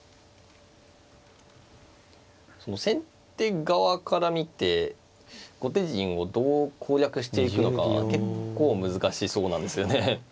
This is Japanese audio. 先手側から見て後手陣をどう攻略していくのか結構難しそうなんですよね。